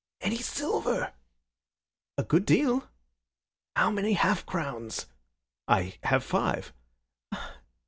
"Any silver?" "A good deal." "How many half crowns?" "I have five."